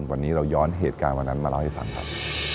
วันนี้เราย้อนเหตุการณ์วันนั้นมาเล่าให้ฟังครับ